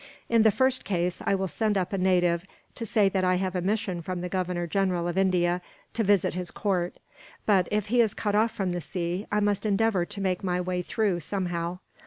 In the first case, I will send up a native, to say that I have a mission from the Governor General of India to visit his court; but if he is cut off from the sea, I must endeavour to make my way through, somehow.